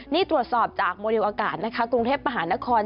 นี่ตรวจสอบจากโมเดลอากาศนะคะกรุงเทพมหานคร